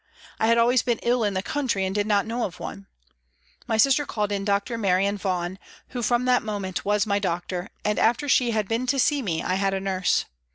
I had always been ill in the country and did not know of one. My sister called in Dr. Marion Vaughan, who from that moment was my doctor, and after she had been to see me I had a nurse.